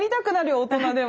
大人でも。